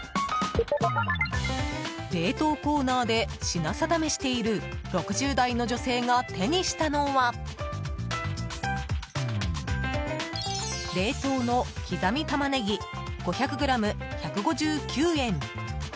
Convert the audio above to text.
冷凍コーナーで品定めしている６０代の女性が手にしたのは冷凍の刻みたまねぎ５００ｇ、１５９円。